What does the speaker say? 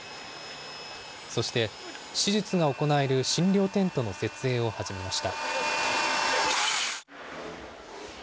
そして手術が行える診療テントの設営を始めました。